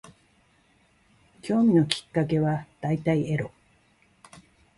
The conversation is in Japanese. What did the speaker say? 興味のきっかけは大体エロ